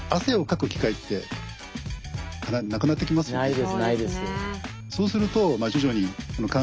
ないですないです。